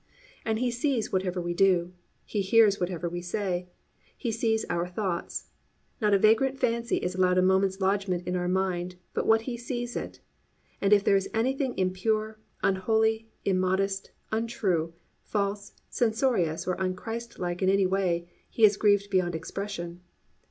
And He sees whatever we do, He hears whatever we say, He sees our very thoughts, not a vagrant fancy is allowed a moment's lodgment in our mind but what He sees it. And if there is anything impure, unholy, immodest, untrue, false, censorious, or unChristlike in any way, He is grieved beyond expression.